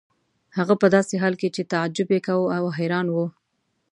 هغه په داسې حال کې چې تعجب یې کاوه او حیران و.